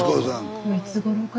いつごろから？